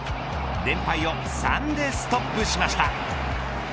連敗を３でストップしました。